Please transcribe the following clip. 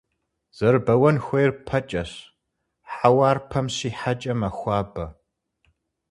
Зэрыбэуэн хуейр пэкӀэщ, хьэуар пэм щихьэкӀэ мэхуабэ.